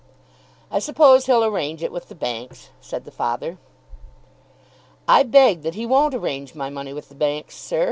"I suppose he'll arrange it with the banks," said the father. "I beg that he won't arrange my money with the banks, sir.